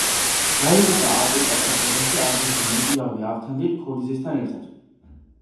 დაიღუპა ავტოკატასტროფაში, აგრეთვე მოჭიდავე ავთანდილ ქორიძესთან ერთად.